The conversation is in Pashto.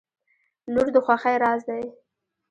• لور د خوښۍ راز دی.